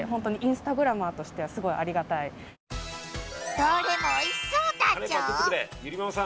どれもおいしそうだじょ！